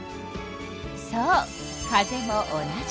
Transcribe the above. そう風も同じ。